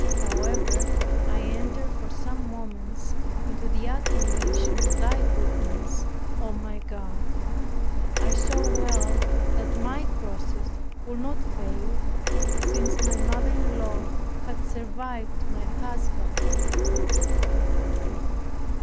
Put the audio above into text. However, I entered for some moments into the admiration of thy goodness, O my God. I saw well that my crosses would not fail, since my mother in law had survived my husband.